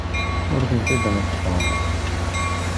Ur ten-id-neṭṭqeɣ.